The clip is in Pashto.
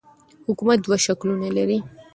حکومت دوه شکلونه لري.